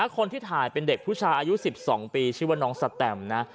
คนที่ถ่ายเป็นเด็กผู้ชายอายุ๑๒ปีชื่อว่าน้องสแตมนะ